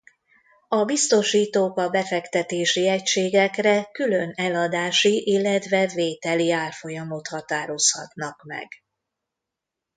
A biztosítók a befektetési egységekre külön eladási illetve vételi árfolyamot határozhatnak meg.